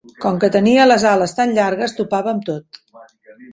Com que tenia les ales tan llargues topava amb tot.